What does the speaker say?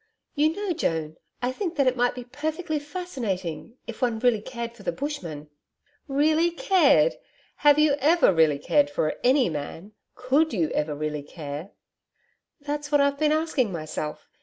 You know, Joan, I think that it might be perfectly fascinating if one really cared for the bushman.' 'Really cared! Have you EVER really cared for any man? COULD you ever really care?' 'That's what I've been asking myself.